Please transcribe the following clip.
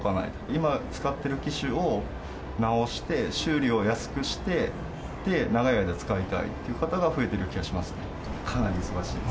今、使っている機種を直して、修理を安くして、で、長い間使いたいという方が増えてる気がしますね。